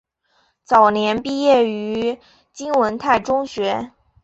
早年毕业于金文泰中学。